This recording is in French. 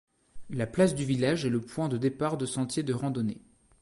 La place du village est le point de départ de sentiers de randonnées.